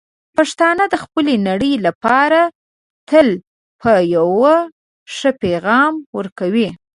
پښتانه د خپلې نړۍ لپاره تل به یو ښه پېغام ورکوي.